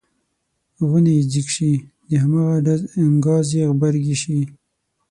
غونی یې ځیږ شي د هماغه ډز انګاز یې غبرګې شي.